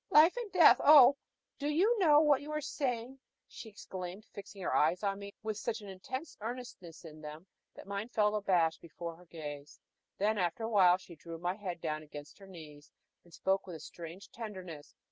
"Life and death! do you know what you are saying?" she exclaimed, fixing her eyes on me with such intense earnestness in them that mine fell abashed before their gaze. Then, after a while, she drew my head down against her knees, and spoke with a strange tenderness.